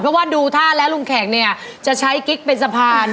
เพราะว่าดูท่าแล้วลุงแขกเนี่ยจะใช้กิ๊กเป็นสะพาน